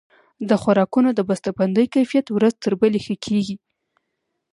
د خوراکونو د بسته بندۍ کیفیت ورځ تر بلې ښه کیږي.